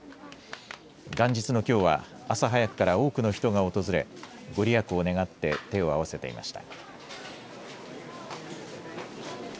元日のきょうは朝早くから多くの人が訪れ御利益を願って手を合わせていました。